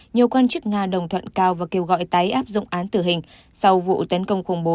nhiều quan chức nga đồng thuận cao và kêu gọi tái áp dụng án tử hình sau vụ tấn công khủng bố